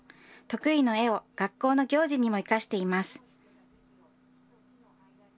得意の絵を学校の行事にも生かしています。